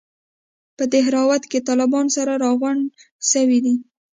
په دهراوت کښې طالبان سره راغونډ سوي دي.